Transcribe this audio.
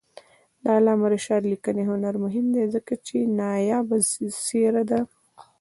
د علامه رشاد لیکنی هنر مهم دی ځکه چې نایابه څېره ده.